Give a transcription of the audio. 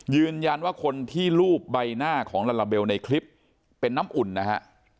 ยืนยันว่าคนที่รูปใบหน้าของลาลาเบลในคลิปเป็นน้ำอุ่นนะฮะ